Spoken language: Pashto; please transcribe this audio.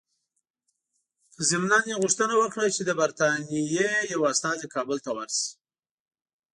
ضمناً یې غوښتنه وکړه چې د برټانیې یو استازی کابل ته ورسي.